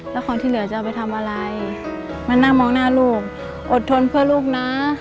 แล้วของที่เหลือจะเอาไปทำอะไรมานั่งมองหน้าลูกอดทนเพื่อลูกนะ